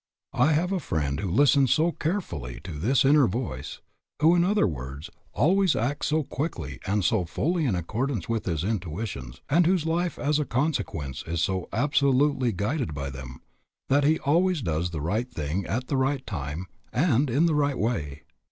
I have a friend who listens so carefully to this inner voice, who, in other words, always acts so quickly and so fully in accordance with his intuitions, and whose life as a consequence is so absolutely guided by them, that he always does the right thing at the right time and in the right way.